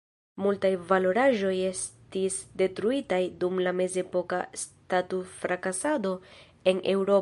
Multaj valoraĵoj estis detruitaj dum la mezepoka statufrakasado en Eŭropo.